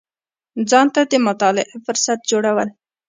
ځان ته د مطالعې فهرست جوړول